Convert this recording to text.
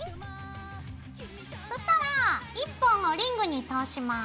そしたら１本をリングに通します。